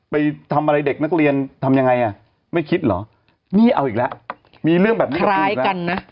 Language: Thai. ไปทำอะไรเด็กนักเรียนทำยังไงอ่ะไม่คิดเหรอนี่เอาอีกแล้วมีเรื่องแบบนี้คล้ายกันนะ